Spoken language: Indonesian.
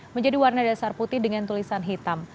menjadi warna dasar putih dengan tulisan hitam